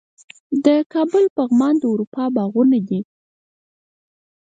د کابل پغمان د اروپا باغونه دي